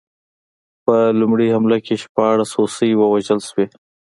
په لومړۍ حمله کې شپاړس هوسۍ ووژل شوې.